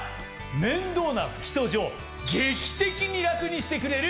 面倒な拭き掃除を劇的に楽にしてくれる。